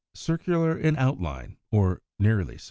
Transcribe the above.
132), circular in outline, or nearly so.